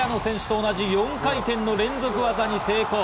平野選手と同じ４回転の連続技に成功。